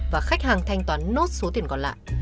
và khách hàng thanh toán nốt số tiền còn lại